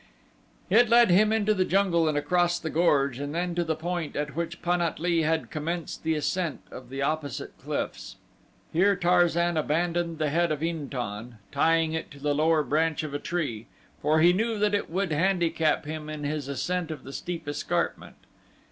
It led him into the jungle and across the gorge and then to the point at which Pan at lee had commenced the ascent of the opposite cliffs. Here Tarzan abandoned the head of In tan, tying it to the lower branch of a tree, for he knew that it would handicap him in his ascent of the steep escarpment.